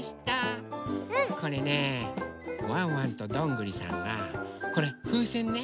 これねワンワンとどんぐりさんがこれふうせんね。